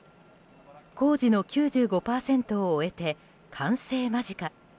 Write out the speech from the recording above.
工事の９５％を終えて完成間近。